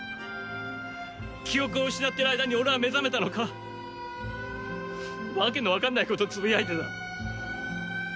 記憶を失ってる間に俺は目覚めたのか訳の分かんないことつぶやいてた。